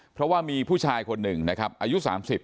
เพราะว่ามีผู้ชายคนหนึ่งนะครับอายุ๓๐